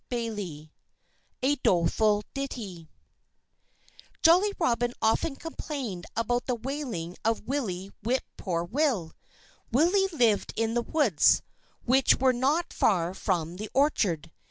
XXI A DOLEFUL DITTY Jolly Robin often complained about the wailing of Willie Whip poor will. Willie lived in the woods, which were not far from the orchard.